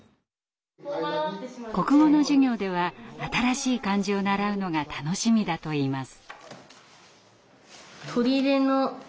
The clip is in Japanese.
国語の授業では新しい漢字を習うのが楽しみだといいます。